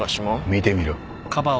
見てみろ。